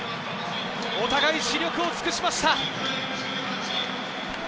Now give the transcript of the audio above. お互い死力を尽くしました！